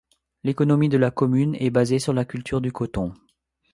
L'économie de la commune est basée sur la culture du coton.